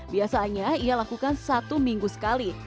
biasanya ia lakukan satu minggu sekali